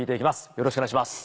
よろしくお願いします。